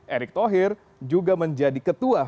erick thohir juga menjadi ketua